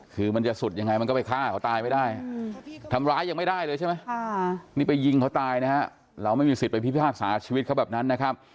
คือมันจะสุดยังไงมันก็ไปฆ่าเขาตายไม่ได้ทำร้ายยังไม่ได้เลยใช่ไหมนี่ไปยิงเขาตายนะฮะเราไม่มีสิทธิไปพิพากษาชีวิตเขาแบบนั้นนะครับ